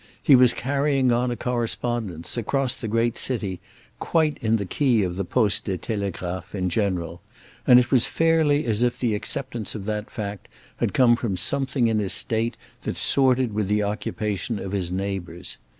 He was carrying on a correspondence, across the great city, quite in the key of the Postes et Télégraphes in general; and it was fairly as if the acceptance of that fact had come from something in his state that sorted with the occupation of his neighbours.